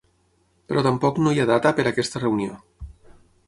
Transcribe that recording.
Però tampoc no hi ha data per aquesta reunió.